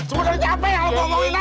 sebenernya apa yang lu ngomongin ha